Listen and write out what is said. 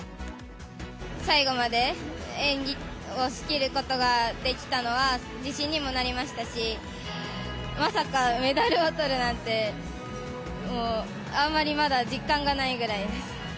最後まで演技をしきることができたのは、自信にもなりましたし、まさかメダルをとるなんて、もう、あんまりまだ実感がないぐ